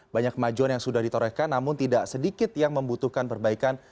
banyak kemajuan yang sudah ditorehkan namun tidak sedikit yang membutuhkan perbaikan